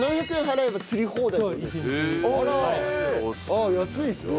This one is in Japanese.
あっ安いですね。